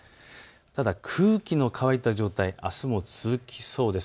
ただ空気の乾いた状態あすも続きそうです。